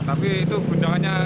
tapi itu guncangannya